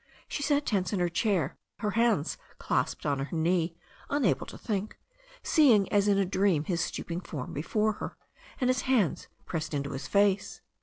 She sat tense in her chair, her hands clasped on her knee, unable to think, seeing as in a dream his stooping form |)efore her and his hands pressed into his face.